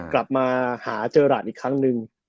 กลับมาหาเจอหลานอีกครั้งหนึ่ง